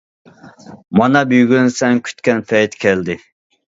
مانا بۈگۈن سەن كۈتكەن پەيت كەلدى.